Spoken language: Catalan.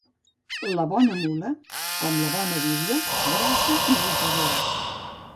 La bona mula, com la bona viuda, grassa i voltadora.